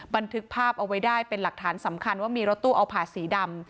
บันทึกภาพเอาไว้ได้เป็นหลักฐานสำคัญว่ามีรถตู้เอาผ่าสีดำ